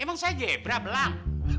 emang saya jebra belang